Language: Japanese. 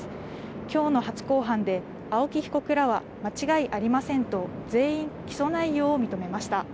きょうの初公判で青木被告らは、間違いありませんと、全員、起訴内容を認めました。